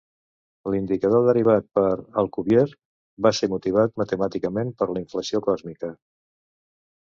L'indicador derivat per Alcubierre va ser motivat matemàticament per la inflació còsmica.